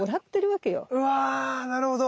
うわなるほど。